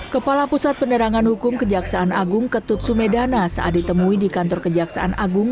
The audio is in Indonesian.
kepala pusat penerangan hukum kejaksaan agung ketut sumedana saat ditemui di kantor kejaksaan agung